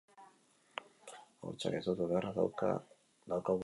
Hortzak estutu beharra daukagu denok.